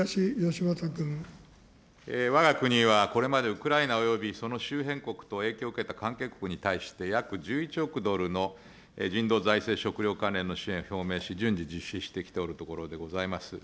わが国はこれまでウクライナおよびその周辺国と影響を受けた関係国に対して、約１１億ドルの人道財政食料関連の支援を表明し、順次、実施してきておるところでございます。